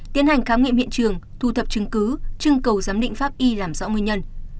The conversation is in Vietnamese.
tiến hành khám nghiệm hiện trường thu thập chứng cứ trưng cầu giám định pháp y làm rõ nguyên nhân